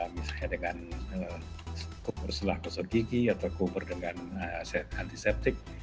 misalnya dengan kumur setelah kosong gigi atau kumur dengan antiseptik